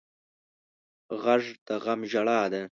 غږ د غم ژړا ده